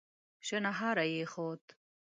شڼهاری يې خوت.